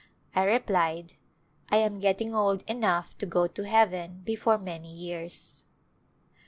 I replied, " I am getting old enough to go to heaven before many years."